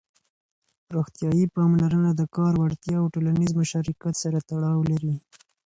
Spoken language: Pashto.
روغتيايي پاملرنه د کار وړتيا او ټولنيز مشارکت سره تړاو لري.